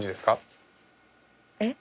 えっ？